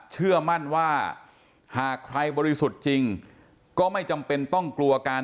เชื่อมั่นว่าหากใครบริสุทธิ์จริงก็ไม่จำเป็นต้องกลัวการ